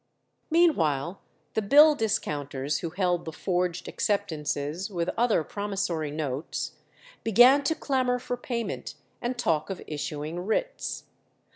Meanwhile the bill discounters who held the forged acceptances, with other promissory notes, began to clamour for payment, and talk of issuing writs.